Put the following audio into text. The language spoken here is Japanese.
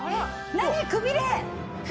何くびれ！